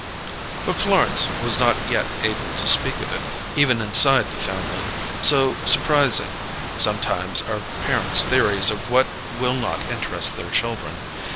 But Florence was not yet able to speak of it, even inside the family; so surprising, sometimes, are parents' theories of what will not interest their children.